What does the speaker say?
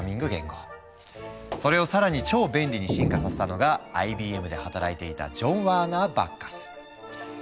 それを更に超便利に進化させたのがＩＢＭで働いていたジョン・ワーナー・バッカス。